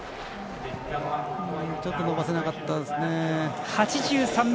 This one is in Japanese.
ちょっと伸ばせなかったですね。